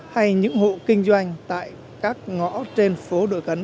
hay những hộ kinh doanh tại các ngõ trên phố đội cấn